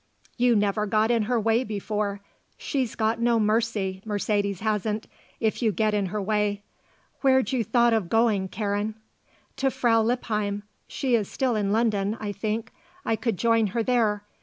"You never got in her way before. She's got no mercy, Mercedes hasn't, if you get in her way. Where'd you thought of going, Karen?" "To Frau Lippheim. She is still in London, I think. I could join her there.